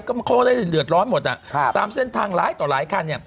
เขาก็ได้เดือดร้อนหมดตามเส้นทางร้ายต่อหลายคันเนี่ย